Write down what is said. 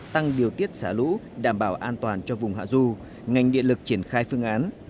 tăng điều tiết xả lũ đảm bảo an toàn cho vùng hạ du ngành điện lực triển khai phương án